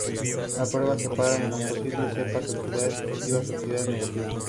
La prueba separa en las posibles cepas Oxidasa positiva u oxidasa negativa.